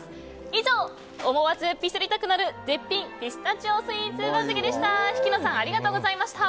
以上、思わずピスりたくなる絶品ピスタチオスイーツ番付でした。